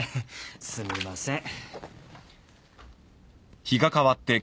すみません。